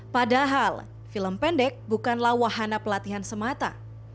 padahal film pendek bukanlah wahana pelatihan semata